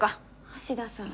橋田さん。